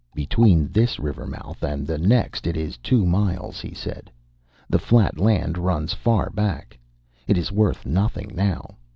"Between this river mouth and the next it is two miles," he said. "The flat land runs far back. It is worth nothing now.